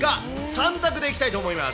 ３択でいきたいと思います。